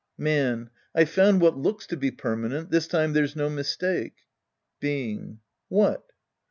Man. I've found what looks to be permanent. Tliis time there's no mistake. Being. What?